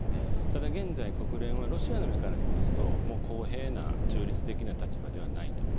ただ現在、国連はロシアの目から見ますと、もう公平な中立的な立場ではないと。